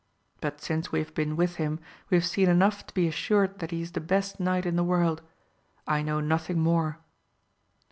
But since we have been with him we have seen enough to be assured that he is the best knight in the world : I know nothing more.